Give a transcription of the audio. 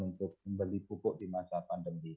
untuk membeli pupuk di masa pandemi